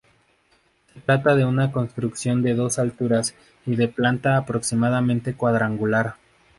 Se trata de una construcción de dos alturas y de planta aproximadamente cuadrangular.